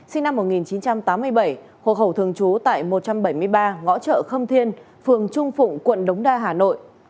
sinh năm một nghìn chín trăm tám mươi bảy hộ khẩu thường trú tại một trăm bảy mươi ba ngõ chợ khâm thiên phường trung phụng quận đống đa hà nội